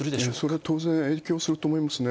それは当然影響すると思いますね。